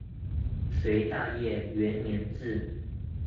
隋大业元年置。